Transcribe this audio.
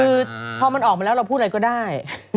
คือพอมันออกมาแล้วเราพูดอะไรก็ได้